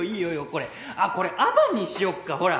これあっこれアバンにしよっかほら！